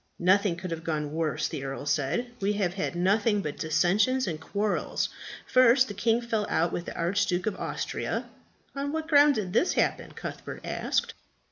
"Nothing could have gone worse," the earl said. "We have had nothing but dissensions and quarrels. First, the king fell out with the Archduke of Austria." "On what ground did this happen?" Cuthbert asked.